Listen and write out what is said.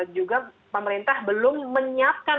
juga pemerintah belum menyiapkan